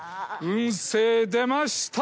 運勢出ました。